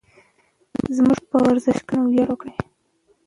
زموږ په ورزشکارانو ویاړ وکړئ.